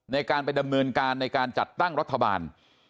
ในการไปดำเนินการในการจัดตั้งรัฐบาล